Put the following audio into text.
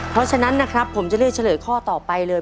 เพราะฉะนั้นนะครับผมจะเลือกเฉลยข้อต่อไปเลย